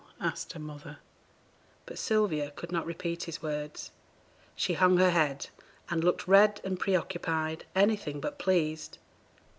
asked her mother. But Sylvia could not repeat his words. She hung her head, and looked red and pre occupied, anything but pleased.